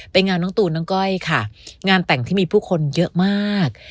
งานน้องตูนน้องก้อยค่ะงานแต่งที่มีผู้คนเยอะมาก